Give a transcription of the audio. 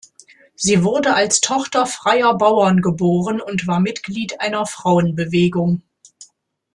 Sie wurde als Tochter freier Bauern geboren und war Mitglied einer Frauenbewegung.